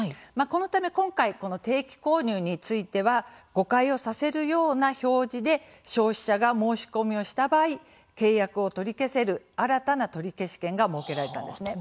このため今回定期購入については誤解をさせるような表示で消費者が申し込みをした場合契約を取り消せる新たな取消権が設けられたんですね。